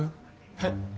はい。